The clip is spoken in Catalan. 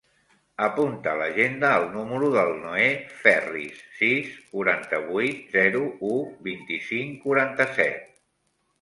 Apunta a l'agenda el número del Noè Ferriz: sis, quaranta-vuit, zero, u, vint-i-cinc, quaranta-set.